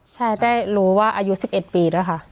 ใช่ได้รู้ว่าอายุ๑๑ปีด้วยค่ะ